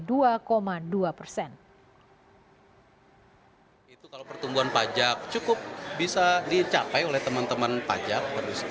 itu kalau pertumbuhan pajak cukup bisa dicapai oleh teman teman pajak